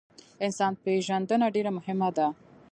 انسان پیژندنه ډیره مهمه ده